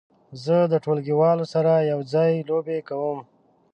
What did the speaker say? زه د ټولګیوالو سره یو ځای لوبې کوم.